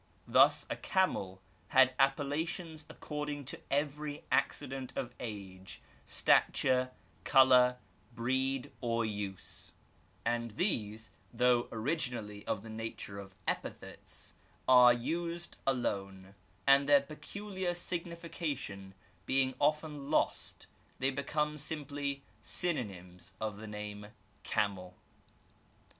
Thus a camel had appellations according to every accident of age, stature, colour, breed or use; and these, though originally of the nature of epithets, are used alone, and their peculiar signification being often lost iiiey become simply syno nyms of the name camel.